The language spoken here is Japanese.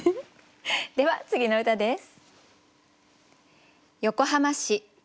では次の歌です。